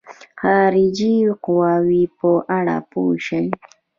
خارجي قواوو په اړه پوه شي.